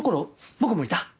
僕もいた？